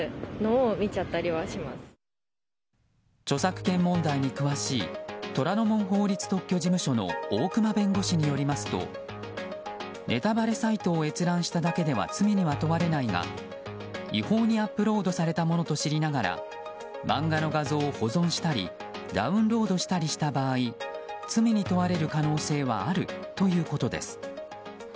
著作権問題に詳しい虎ノ門法律特許事務所の大熊弁護士によりますとネタバレサイトを閲覧しただけでは罪には問われないが違法にアップロードされたものと知りながら漫画の画像を保存したりダウンロードしたりした場合罪に問われる可能性はあるということです。